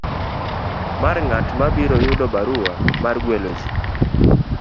mar ng'at mabiro yudo barua mar gwelo ji.